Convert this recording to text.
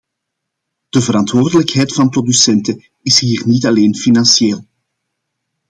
De verantwoordelijkheid van producenten is hier niet alleen financieel.